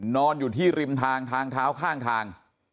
นอนอยู่ที่ริมทางทางเท้าข้างทาง